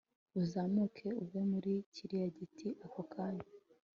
Uzamuke uve muri kiriya giti ako kanya